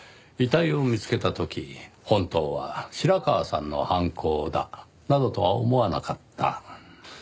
遺体を見つけた時本当は白川さんの犯行だなどとは思わなかった。